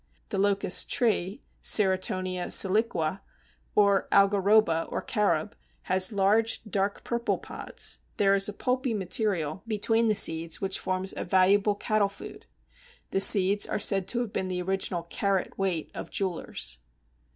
The Locust Tree (Ceratonia siliqua), or Algaroba or Carob, has large, dark purple pods; there is a pulpy material between the seeds which forms a valuable cattle food. The seeds are said to have been the original "carat" weight of jewellers.